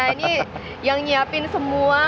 ini yang nyiapin semua